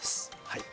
はい